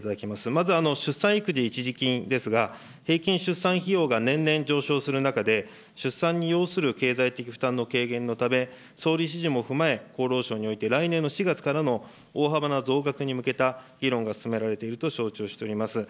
まず、出産育児一時金ですが、平均出産費用が年々上昇する中で、出産に要する経済的負担の軽減のため、総理指示も踏まえ、厚労省において来年の４月からの大幅な増額に向けた議論が進められていると承知をしております。